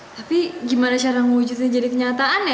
tapi gimana cara mewujudnya jadi kenyataan ya